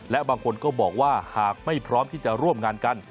และบางคนก็บอกว่าหากไม่พร้อมที่จะร่วมงานกัน